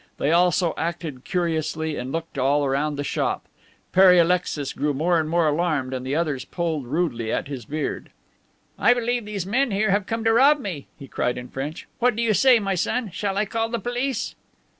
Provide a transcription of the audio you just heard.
They also acted curiously and looked all around the shop. Pere Alexis grew more and more alarmed and the others pulled rudely at his beard. "I believe these men here have come to rob me," he cried in French. "What do you say, my son? Shall I call the police?"